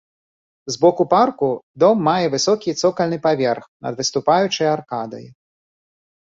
З боку парку дом мае высокі цокальны паверх над выступаючай аркадай.